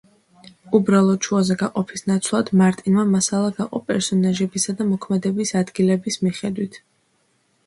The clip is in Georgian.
უბრალოდ შუაზე გაყოფის ნაცვლად, მარტინმა მასალა გაყო პერსონაჟებისა და მოქმედებების ადგილების მიხედვით.